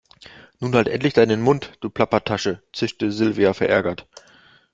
Nun halt endlich deinen Mund, du Plappertasche, zischte Silvia verärgert.